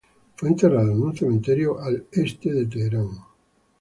Fue enterrado en un cementerio en el este de Teherán.